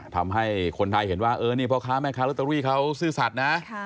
ทำให้คนไทยเห็นว่านี่พ่อค้าแม่ค้าลอตเตอรี่เขาซื่อสัตว์นะ